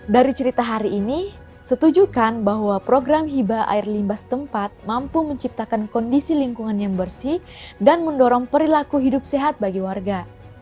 dari cerita hari ini setujukan bahwa program hiba air limbah setempat mampu menciptakan kondisi lingkungan yang bersih dan mendorong perilaku hidup sehat bagi warga